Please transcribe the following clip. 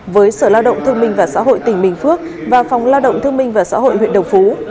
với sở lao động thương minh và xã hội tỉnh bình phước và phòng lao động thương minh và xã hội huyện đồng phú